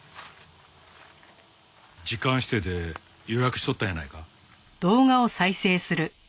時間指定で予約しとったんやないか？